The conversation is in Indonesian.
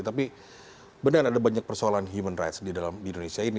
tapi benar ada banyak persoalan human rights di dalam indonesia ini